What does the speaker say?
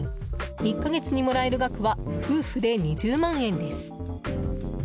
１か月にもらえる額は夫婦で２０万円です。